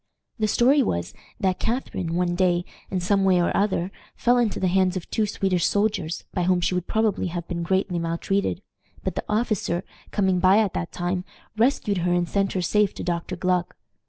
The story was, that Catharine one day, in some way or other, fell into the hands of two Swedish soldiers, by whom she would probably have been greatly maltreated; but the officer, coming by at that time, rescued her and sent her safe to Dr. Gluck.